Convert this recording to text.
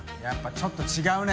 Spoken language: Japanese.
ちょっと違うね。